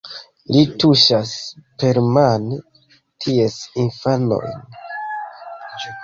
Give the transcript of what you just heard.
Li tuŝas permane ties infanojn.